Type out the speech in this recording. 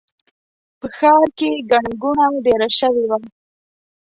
په ښار کې ګڼه ګوڼه ډېره شوې وه.